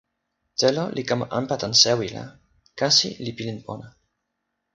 telo li kama anpa tan sewi la kasi li pilin pona